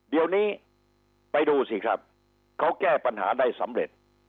เดี๋ยวนี้ไปดูสิครับเขาแก้ปัญหาได้สำเร็จ